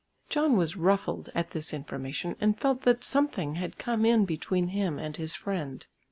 John was ruffled at this information and felt that something had come in between him and his friend.